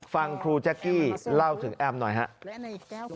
ฟังครูแจ๊กกี้เล่าถึงแอมหน่อยครับ